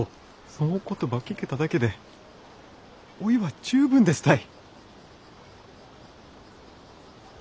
そんお言葉ば聞けただけでおいは十分ですたい！